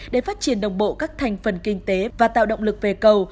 để phát triển đồng bộ các thành phần kinh tế và tạo động lực về cầu